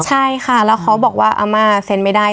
ใช่ค่ะแล้วเขาบอกว่าอาม่าเซ็นไม่ได้